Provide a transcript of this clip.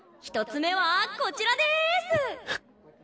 １つ目はこちらです！